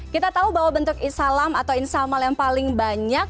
kita tahu bahwa bentuk salam atau insamal yang paling banyak